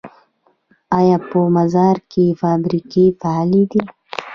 آیا په مزار کې فابریکې فعالې دي؟